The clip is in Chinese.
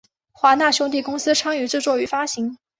华纳兄弟公司参与制作与发行。